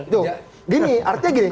tuh gini artinya gini